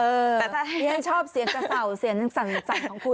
เออแต่ถ้าเฮียชอบเสียงกระเสาเสียงสั่งของคุณ